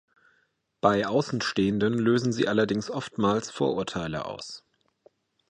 Bei Außenstehenden lösen sie allerdings oftmals Vorurteile aus.